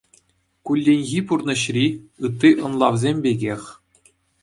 "Кулленхи пурнӑҫри" ытти ӑнлавсем пекех,